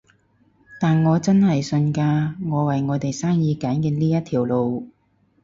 但我真係信㗎，我為我哋生意揀嘅呢一條路